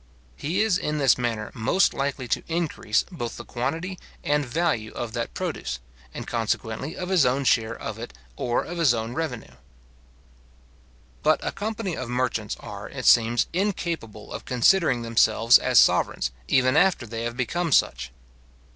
He is in this manner most likely to increase both the quantity and value of that produce, and consequently of his own share of it, or of his own revenue. But a company of merchants, are, it seems, incapable of considering themselves as sovereigns, even after they have become such.